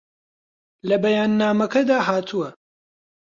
لە بەیاننامەکەدا هاتووە